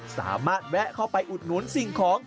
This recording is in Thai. สามารถแวะเข้าไปอุดหนุนสิ่งของ